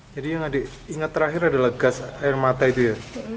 jadi yang ingat terakhir adalah gas air mata itu ya